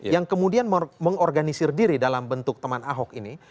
yang kemudian mengorganisir diri dalam bentuk teman ahok ini